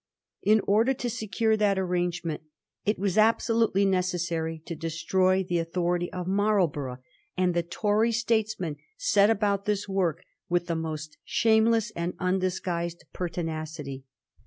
In order to secure that arrangement it was absolutely necessary to destroy the authority of Marlborough, and the Tory statesmen set about this work with the most shameless and undisguised pertinacity.